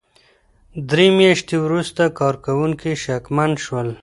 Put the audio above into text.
درې مياشتې وروسته کارکوونکي شکمن شول.